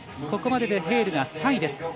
ここまででヘールが３位です。